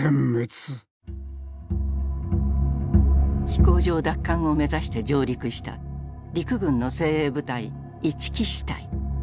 飛行場奪還を目指して上陸した陸軍の精鋭部隊一木支隊。